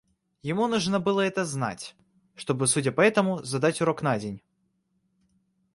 Ему нужно было это знать, чтобы, судя по этому, задать урок на день.